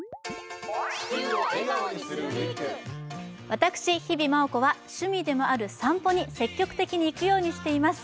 私日比麻音子は趣味でもある散歩に積極的に行くようにしています